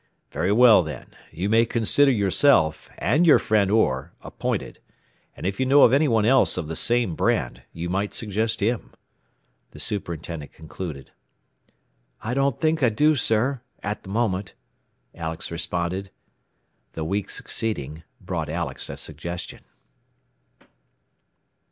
"Very well then. You may consider yourself, and your friend Orr, appointed. And if you know of anyone else of the same brand, you might suggest him," the superintendent concluded. "I don't think I do, sir at the moment," Alex responded. The week succeeding brought Alex a suggestion.